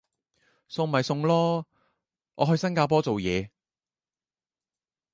送咪送咯，我去新加坡做嘢